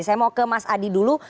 saya mau ke mas adi dulu